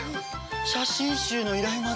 写真集の依頼まで。